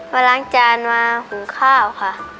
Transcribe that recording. มาล้างจานมาหุงข้าวค่ะ